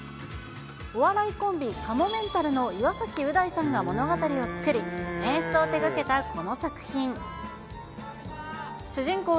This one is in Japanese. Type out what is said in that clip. お笑いコンビ、かもめんたるの岩崎う大さんが物語を作り、演出を手がけたこの作品。